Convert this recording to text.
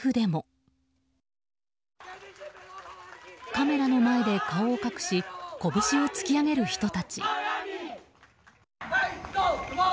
カメラの前で顔を隠し拳を突き上げる人たち。